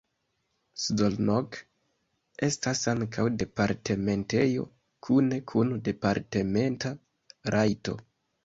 Szolnok estas ankaŭ departementejo kune kun departementa rajto.